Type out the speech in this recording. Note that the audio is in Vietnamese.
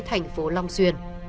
thành phố long xuyên